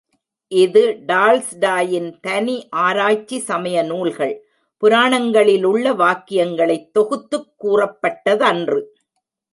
இது டால்ஸ்டாயின் தனி ஆராய்ச்சி சமய நூல்கள், புராணங்களிலுள்ள வாக்கியங்களைத் தொகுத்துக் கூறப்பட்டதன்று.